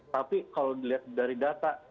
tapi kalau dilihat dari data